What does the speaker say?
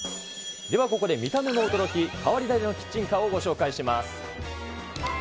ではここで見た目も驚き、変わり種のキッチンカーをご紹介します。